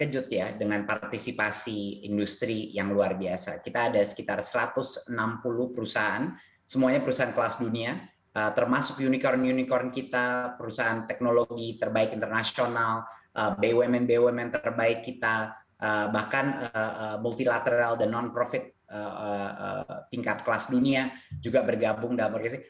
terkejut ya dengan partisipasi industri yang luar biasa kita ada sekitar satu ratus enam puluh perusahaan semuanya perusahaan kelas dunia termasuk unicorn unicorn kita perusahaan teknologi terbaik internasional bumn bumn terbaik kita bahkan multilateral dan non profit tingkat kelas dunia juga bergabung dalam organisasi